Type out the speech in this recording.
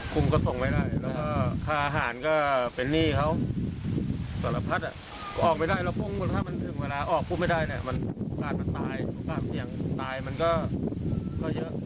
กุ้งก็ส่งไม่ได้แล้วก็คาอาหารก็เป็นหนี้เขาสรรพัฒน์ออกไม่ได้แล้วถ้ามันถึงเวลาออกไม่ได้ก็ตายก็เยอะ